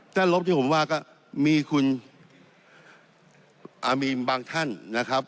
ด้านลบที่ผมว่าก็มีคุณอามีนบางท่านนะครับ